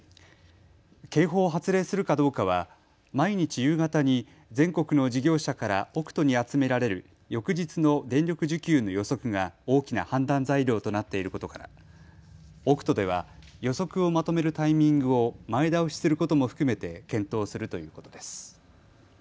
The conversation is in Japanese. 警報を発令するかどうかは毎日夕方に全国の事業者からオクトに集められる翌日の電力需給の予測が大きな判断材料となっていることからオクトでは予測をまとめるタイミングを前倒しすることも含めて検討するということです。